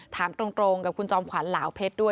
ถามตรงกับคุณจอมขวัญเหลาเพชรด้วย